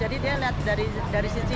jadi dia lihat dari sisi